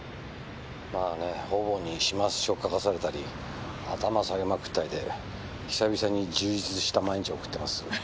まあね方々に始末書書かされたり頭下げまくったりで久々に充実した毎日を送ってます。